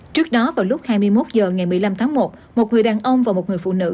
trước đó vào lúc hai mươi một h ngày một mươi năm tháng một một người đàn ông và một người phụ nữ